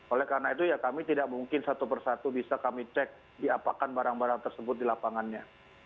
oleh karena itu ya kami tidak mungkin satu persatu bisa kami cek diapakan barang barang tersebut di lapangannya